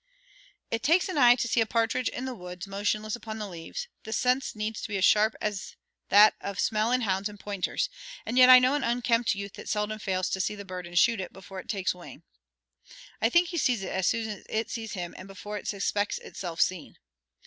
It takes an eye to see a partridge in the woods motionless upon the leaves; this sense needs to be as sharp as that of smell in hounds and pointers; and yet I know an unkempt youth that seldom fails to see the bird and shoot it before it takes wing. I think he sees it as soon as it sees him and before it suspects itself seen.